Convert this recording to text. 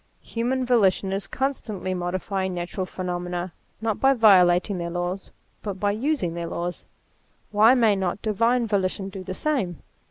Human volition is constantly modi fying natural phenomena, not by violating their laws, but by using their laws. Why may not divine volition do the same?